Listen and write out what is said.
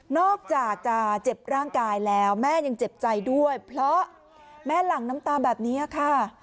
อกจากจะเจ็บร่างกายแล้วแม่ยังเจ็บใจด้วยเพราะแม่หลั่งน้ำตาแบบนี้ค่ะ